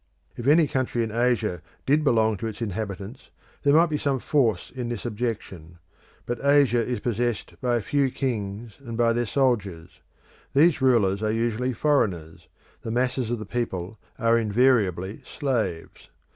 If any country in Asia did belong to its inhabitants, there might be some force in this objection. But Asia is possessed by a few kings and by their soldiers; these rulers are usually foreigners; the masses of the people are invariably slaves.